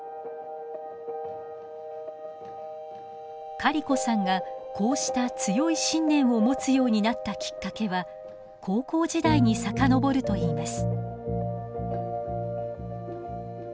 カリコさんがこうした強い信念を持つようになったきっかけは高校時代に遡るといいます。